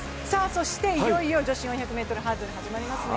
そして女子４００ｍハードル始まりますね。